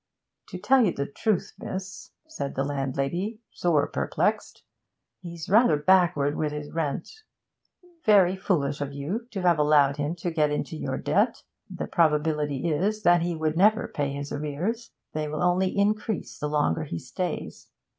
'To tell you the truth, miss,' said the landlady, sore perplexed, 'he's rather backward with his rent ' 'Very foolish of you to have allowed him to get into your debt. The probability is that he would never pay his arrears; they will only increase, the longer he stays.